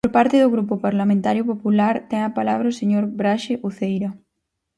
Por parte do Grupo Parlamentario Popular, ten a palabra o señor Braxe Uceira.